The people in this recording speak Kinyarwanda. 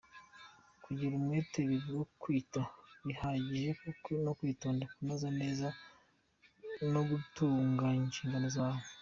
Kugira umwete bivuga kwita bihagije no kwitondera kunoza neza no gutunganya inshingano zawe.